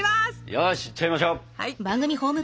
よしいっちゃいましょう！